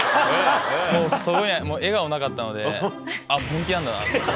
そこには笑顔はなかったので、あっ、本気なんだなと。